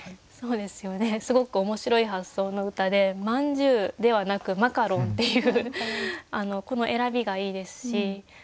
そうですよねすごく面白い発想の歌でまんじゅうではなくマカロンっていうこの選びがいいですし。